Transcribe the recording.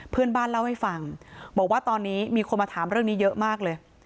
เพื่อนบ้านเล่าให้ฟังบอกว่าตอนนี้มีคนมาถามเรื่องนี้เยอะมากเลย